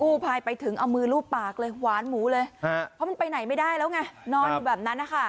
ภายไปถึงเอามือรูปปากเลยหวานหมูเลยเพราะมันไปไหนไม่ได้แล้วไงนอนอยู่แบบนั้นนะคะ